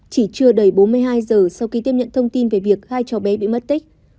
chỉ chưa đầy bốn mươi hai giờ sau khi tiếp nhận thông tin về việc hai cháu bé bị mất tích